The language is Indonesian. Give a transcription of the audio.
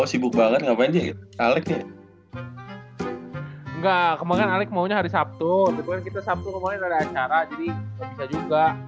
oh sibuk banget ngapain sih alec nggak kemarin maunya hari sabtu sabtu kemarin ada acara juga